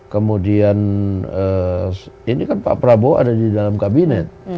kemudian ini kan pak prabowo ada di dalam kabinet